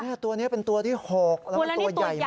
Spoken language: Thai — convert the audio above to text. ตัวนี้เป็นตัวที่๖แล้วมันตัวใหญ่มาก